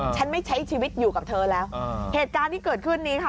ฉันไม่ใช้ชีวิตอยู่กับเธอแล้วเหตุการณ์ที่เกิดขึ้นนี้ค่ะ